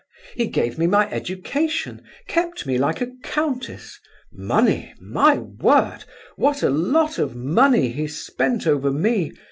He gave me my education, kept me like a countess. Money—my word! What a lot of money he spent over me!